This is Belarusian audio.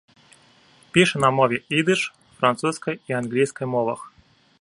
Піша на мове ідыш, французскай і англійскай мовах.